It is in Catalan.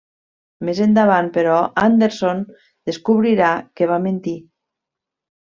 Més endavant, però, Anderson descobrirà que va mentir.